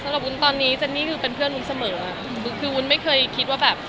วุ้นตอนนี้เจนนี่คือเป็นเพื่อนวุ้นเสมอคือวุ้นไม่เคยคิดว่าแบบ